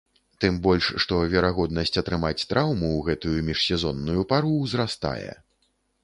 Тым больш, што верагоднасць атрымаць траўму ў гэтую міжсезонную пару ўзрастае.